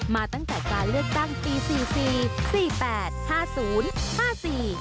มาตั้งแต่การเลือกตั้งปี๔๔๔๘๕๐๕๔